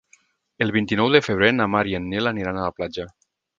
El vint-i-nou de febrer na Mar i en Nil aniran a la platja.